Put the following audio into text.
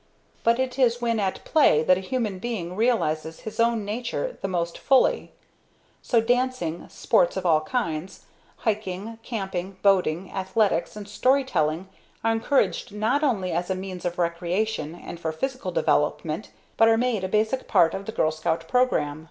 But it is when at play that a human being realizes his own nature the most fully. So dancing, sports of all kinds, hiking, camping, boating, athletics and story telling are encouraged not only as a means of recreation and for physical development, but are made a basic part of the Girl Scout program.